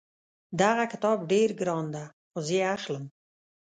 دغه کتاب ډېر ګران ده خو زه یې اخلم